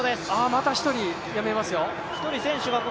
また１人やめますよ。